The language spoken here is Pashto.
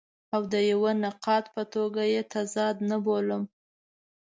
او د یوه نقاد په توګه یې تضاد نه بولم.